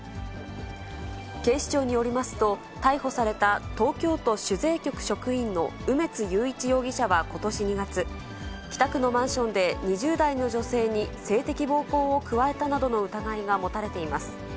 警視庁によりますと、逮捕された、東京都主税局職員の梅津裕一容疑者はことし２月、北区のマンションで２０代の女性に性的暴行を加えたなどの疑いが持たれています。